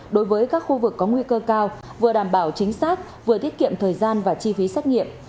đối với các khu vực có nguy cơ cao vừa đảm bảo chính xác vừa tiết kiệm thời gian và chi phí xét nghiệm